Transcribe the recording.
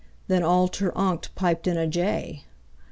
Then all ter onct piped in a jay.